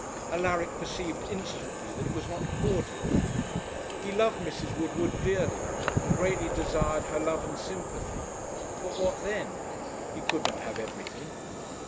Alaric perceived instantly that it was not cordial. He loved Mrs. Woodward dearly, and greatly desired her love and sympathy. But what then? He could not have everything.